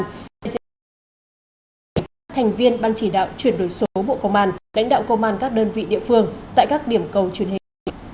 đại diện bộ công an thành viên ban chỉ đạo chuyển đổi số bộ công an lãnh đạo công an các đơn vị địa phương tại các điểm cầu truyền hình